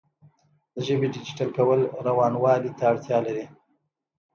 د ژبې ډیجیټل کول روانوالي ته اړتیا لري.